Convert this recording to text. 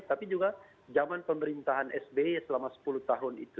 tapi juga zaman pemerintahan sby selama sepuluh tahun itu